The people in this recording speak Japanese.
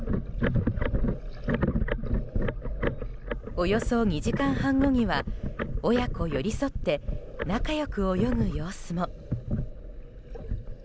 およそ２時間半後には親子寄り添って仲良く泳ぐ様子も。